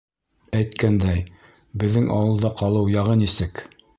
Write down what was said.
Әйткәндәй, беҙҙең ауылда ҡалыу яғы нисек?